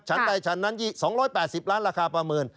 ฉันใต้ฉันนั้นอีก๒๘๐ล้านราคาประเมิน